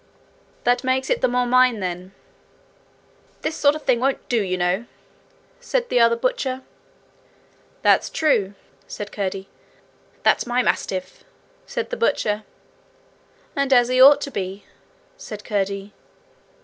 'That makes it the more mine, then.' 'This sort of thing won't do, you know,' said the other butcher. 'That's true,' said Curdie. 'That's my mastiff,' said the butcher. 'And as he ought to be,' said Curdie.